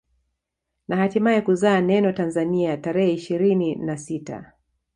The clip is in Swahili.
Na hatimae kuzaa neno Tanzania tarehe ishirina na sita